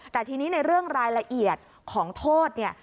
แต่ทีนี้ในเรื่องรายละเอียดของโทษเนี่ย